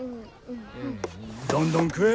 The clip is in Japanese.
どんどん食え！